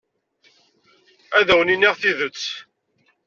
Ad awen-iniɣ tidet.